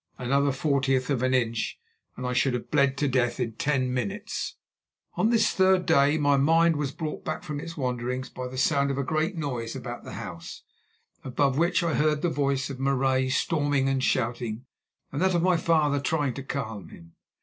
Another fortieth of an inch and I should have bled to death in ten minutes! On this third day my mind was brought back from its wanderings by the sound of a great noise about the house, above which I heard the voice of Marais storming and shouting, and that of my father trying to calm him.